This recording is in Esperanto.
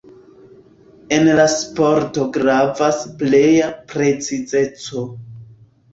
En la sporto gravas pleja precizeco.